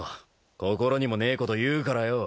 心にもねえこと言うからよぉ。